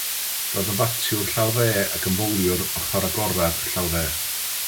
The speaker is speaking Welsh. Roedd yn fatiwr llaw dde ac yn fowliwr ochr agored llaw dde.